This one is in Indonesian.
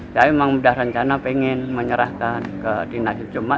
saya memang sudah rencana ingin menyerahkan ke dinasib jomba